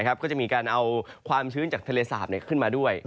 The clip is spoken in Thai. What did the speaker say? ก็จะมีการเอาความชื้นจากทะเลสาปขึ้นมาด้วย